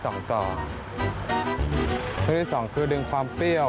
ข้อที่๒คือดึงความเปรี้ยว